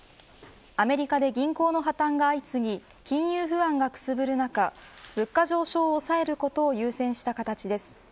アメリカで銀行の破綻が相次ぎ金融不安がくすぶる中物価上昇を抑えることを優先した形です。